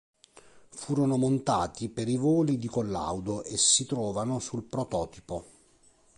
Furono montati per i voli di collaudo e si trovano sul prototipo.